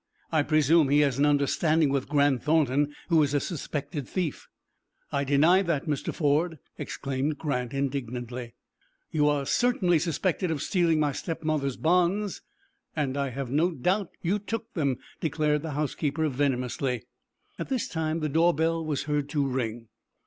I presume he has an understanding with Grant Thornton, who is a suspected thief." "I deny that, Mr. Ford," exclaimed Grant, indignantly. "You are certainly suspected of stealing my stepmother's bonds." "And I have no doubt you took them," declared the housekeeper, venomously. At this time the doorbell was heard to ring.